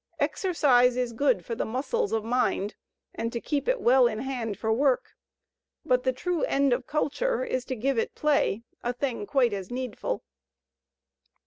Exercise is good for the muscles of mind and to keep it well in hand for work, but the true end of Culture is to give it play, a thing quite as needful."